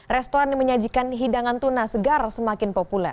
restoran yang menyajikan hidangan tuna segar semakin populer